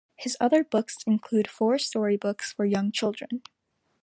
His other books include four-story books for young children.